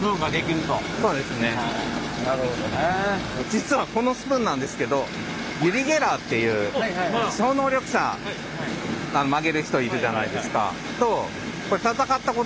実はこのスプーンなんですけどユリ・ゲラーっていう超能力者曲げる人いるじゃないですか。